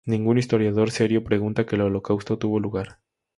Ningún historiador serio pregunta que el Holocausto tuvo lugar".